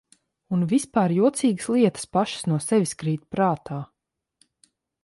Un vispār jocīgas lietas pašas no sevis krīt prātā.